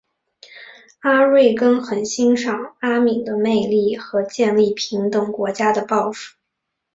加瑞根很欣赏阿敏的魅力和建立平等国家的抱负。